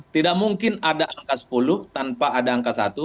tidak mungkin ada angka sepuluh tanpa ada angka satu